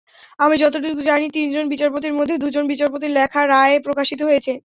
আমি যতটুকু জানি, তিনজন বিচারপতির মধ্যে দুজন বিচারপতির লেখা রায় প্রকাশিত হয়েছে।